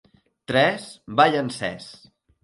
Tres, ball encès.